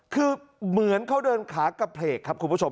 คือเหมือนเขาเดินขากระเพลกครับคุณผู้ชม